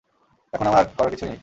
এখন আমার আর করার কিছুই নেই।